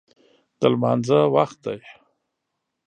د لمانځه وخت دی